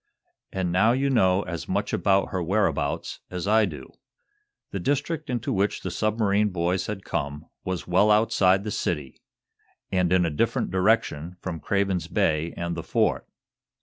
An' now you know as much about her whereabouts as I do." The district into which the submarine boys had come was well outside of the city, and in a different direction from Craven's Bay and the Fort.